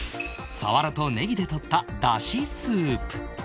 サワラとネギで取った出汁スープ